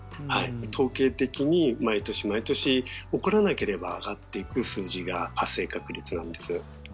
統計的に毎年毎年起こらなければ上がっていく数字が発生確率なんです。